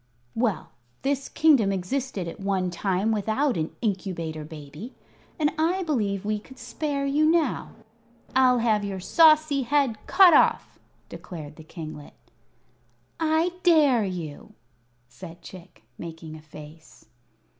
"Well, this kingdom existed at one time without an Incubator Baby, and I believe we could spare you now. I'll have your saucy head cut off," declared the kinglet. "I dare you!" said Chick, making a face.